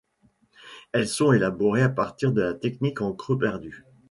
Elles sont élaborées à partir de la technique en creux perdu.